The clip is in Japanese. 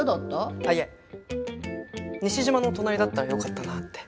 あっいえ西島の隣だったらよかったなって。